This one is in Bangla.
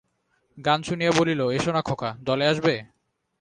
গান শুনিয়া বলিল, এসো না খোকা, দলে আসবে?